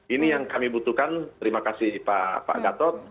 ini yang kami butuhkan terima kasih pak gatot